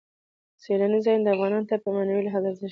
سیلاني ځایونه افغانانو ته په معنوي لحاظ ارزښت لري.